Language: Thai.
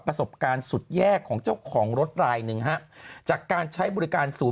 ประสบการณ์สุดแย่ของเจ้าของรถรายหนึ่งฮะจากการใช้บริการศูนย์